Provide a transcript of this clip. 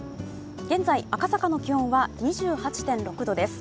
現在赤坂の気温は２８．６度です。